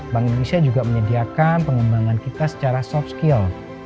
bank indonesia juga menyediakan pengembangan kita secara soft skill